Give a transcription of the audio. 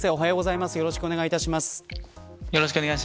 よろしくお願いします。